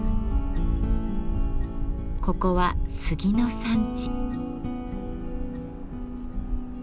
ここは杉の産地。